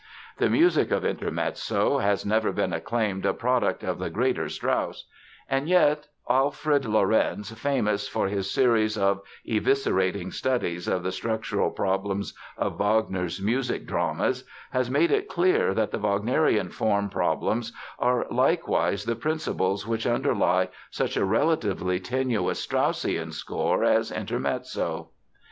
The music of Intermezzo has never been acclaimed a product of the greater Strauss. And yet Alfred Lorenz, famous for his series of eviscerating studies of the structural problems of Wagner's music dramas, has made it clear that the Wagnerian form problems are likewise the principles which underlie such a relatively tenuous Straussian score as Intermezzo.